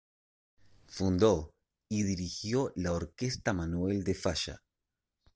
Fundó y dirigió la Orquesta Manuel de Falla.